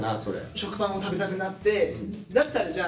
食パンを食べたくなってだったらじゃあ